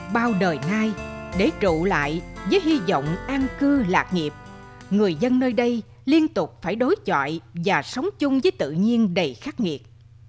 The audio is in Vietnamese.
bao đời nay để trụ lại với hy vọng an cư lạc nghiệp người dân nơi đây liên tục phải đối trọi và sống chung với tự nhiên đầy khắc nghiệt